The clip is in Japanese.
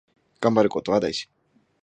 がんばることは大事。